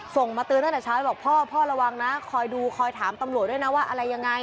มาเตือนตั้งแต่เช้าบอกพ่อพ่อระวังนะคอยดูคอยถามตำรวจด้วยนะว่าอะไรยังไง